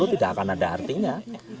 tidak akan ada artinya